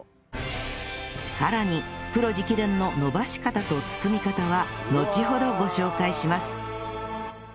さらにプロ直伝ののばし方と包み方はのちほどご紹介します